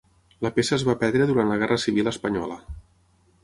La peça es va perdre durant la Guerra civil espanyola.